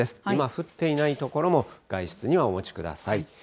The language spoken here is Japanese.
今降っていない所も外出にはお持ちください。